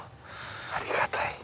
ありがたい。